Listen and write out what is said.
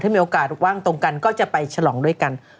มีโอกาสว่างตรงกันก็จะไปฉลองด้วยกัน